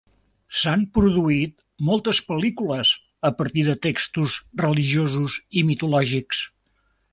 S'han produït moltes pel·lícules a partir de textos religiosos i mitològics.